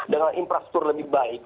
dengan infrastruktur lebih baik